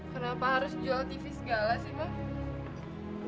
kenapa harus jual tv segala sih bang